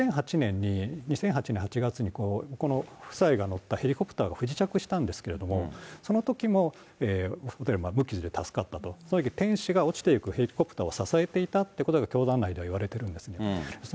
２００８年８月にこの夫妻が乗ったヘリコプターが不時着したんですけれども、そのときも無傷で助かったと、そのとき天使が落ちていくヘリコプターを支えていたということが教団内では言われてるんですね。